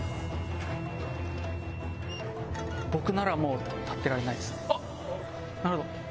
僕ならもう立っていられないですね。